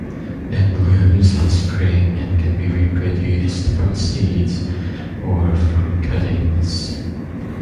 It blooms in spring and can be reproduced from seeds or from cuttings.